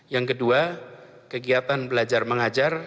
yang kedua kegiatan belajar mengajar